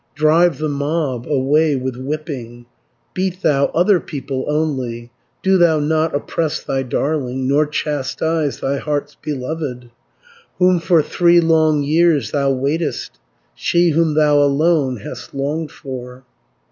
Drive the mob away with whipping, Beat thou other people only, Do thou not oppress thy darling, Nor chastise thy heart's beloved, Whom for three long years thou waitedst, She whom thou alone hast longed for.